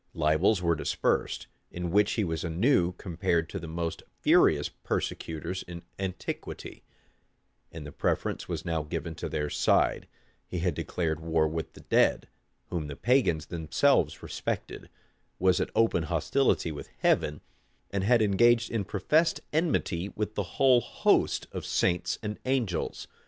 Libels were dispersed, in which he was anew compared to the most furious persecutors in antiquity; and the preference was now given to their side: he had declared war with the dead, whom the pagans themselves respected; was at open hostility with Heaven; and had engaged in professed enmity with the whole host of saints and angels.